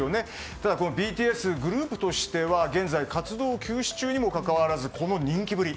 ただＢＴＳ、グループとしては現在活動休止中にもかかわらずこの人気ぶり。